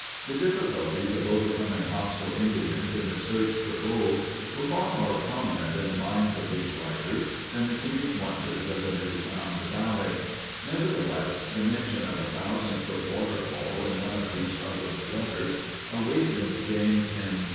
The difficulties of overcoming hostile Indians in the search for gold were far more prominent in the minds of these writers than the scenic wonders of the new found valley. Nevertheless, the mention of a thousand foot waterfall in one of these published letters awakened James M.